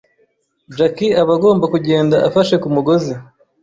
Jackie aba agomba kugenda afashe ku mugozi